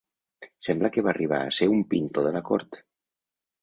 Sembla que va arribar a ser un pintor de la cort.